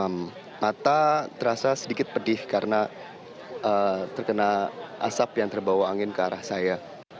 mata terasa sedikit pedih karena terkena asap yang terbawa angin ke arah saya